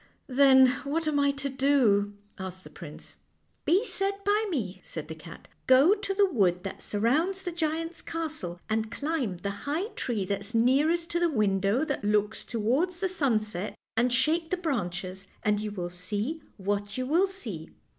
" Then, what am I to do? " asked the prince. " Be said by me," said the cat. " Go to the wood that surrounds the giant's castle, and climb the high tree that's nearest to the window that looks towards the sunset, and shake the branches, and you will see what you will see.